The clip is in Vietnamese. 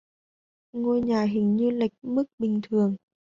Ngôi nhà hình như lệch mức bình thường